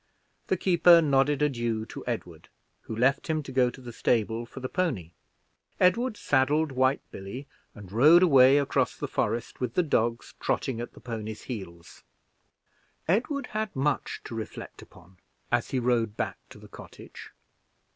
The keeper nodded adieu to Edward, who left him to go to the stable for the pony. Edward saddled White Billy, and rode away across the forest with the dogs trotting at the pony's heels. Edward had much to reflect upon as he rode back to the cottage.